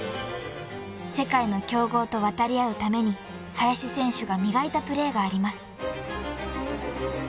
［世界の強豪と渡り合うために林選手が磨いたプレーがあります］